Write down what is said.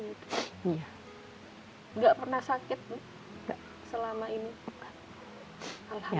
tidak pernah sakit selama ini